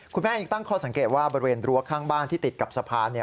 คุณแม่ยังตั้งข้อสังเกตว่าบริเวณรั้วข้างบ้านที่ติดกับสะพาน